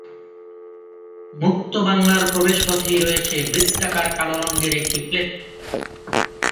মুক্ত বাংলার প্রবেশ পথেই রয়েছে বৃত্তাকার কালো রঙের একটি প্লেট।